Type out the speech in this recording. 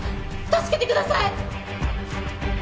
助けてください！